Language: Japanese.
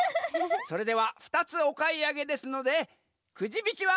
それでは２つおかいあげですのでくじびきは２かいです！